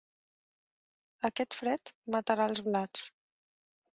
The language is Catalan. Aquest fred matarà els blats.